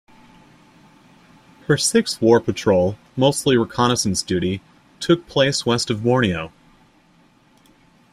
Her sixth war patrol, mostly reconnaissance duty, took place west of Borneo.